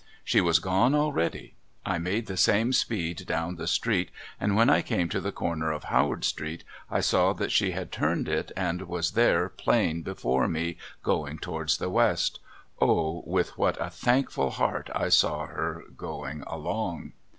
She was gone already. I made the same speed down the street and when I came to the corner of Howard street I saw that she had turned it and was there plain before me going towards the west. O with what a thankful heart I saw her going along